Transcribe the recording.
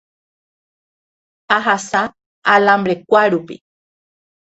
Ahasa alambre-kuárupi